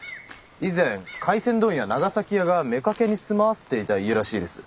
以前廻船問屋長崎屋がめかけに住まわせていた家らしいです。